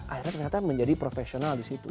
akhirnya ternyata menjadi profesional disitu